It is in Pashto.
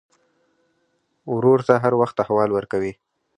ورور ته هر وخت احوال ورکوې.